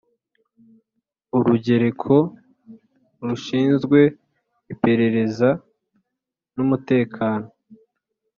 Urugereko rushinzwe Iperereza n Umutekano